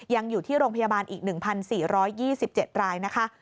ยังอยู่ที่โรงพยาบาลอีก๑๔๒๗รายนะคะ